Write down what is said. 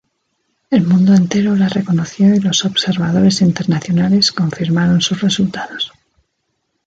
El mundo entero la reconoció y los observadores internacionales confirmaron sus resultados.